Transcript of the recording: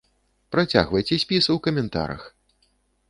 Працягвайце спіс у каментарах!